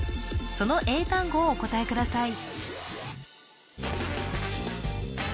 その英単語をお答えください